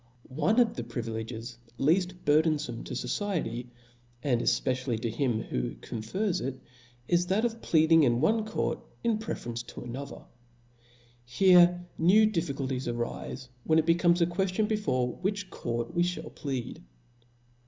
One of the privileges leaft burthenfome to fociety, and efpecially to him who confers it, is that of plead ing in one court preferably to another. Here new difficulties arife, when it becomes a queftion be fore which court we ihall plead.